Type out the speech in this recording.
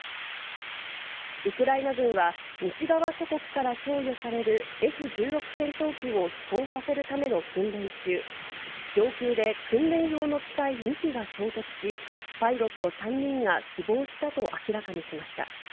ウクライナ軍は、西側諸国から供与されるＦ１６戦闘機を飛行させるための訓練中、上空で訓練用の機体２機が衝突し、パイロット３人が死亡したと明らかにしました。